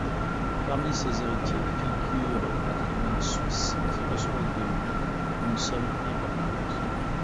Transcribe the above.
Parmi ses héritiers, figure Patrimoine suisse qui reçoit de lui une somme importante.